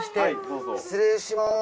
失礼します。